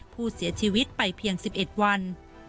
ผู้เสียชีวิตไปเพียง๑๑วัน